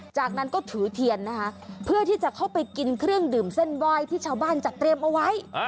จากนั้นก็ถือเทียนนะคะเพื่อที่จะเข้าไปกินเครื่องดื่มเส้นไหว้ที่ชาวบ้านจัดเตรียมเอาไว้